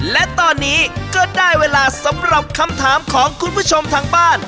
และตอนนี้ก็ได้เวลาสำหรับคำถามของคุณผู้ชมทางบ้าน